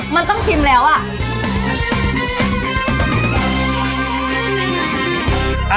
มันต้องชิมแล้วอ่ะ